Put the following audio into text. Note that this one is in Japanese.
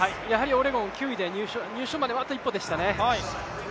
オレゴン９位で入賞まではあと一歩でしたね。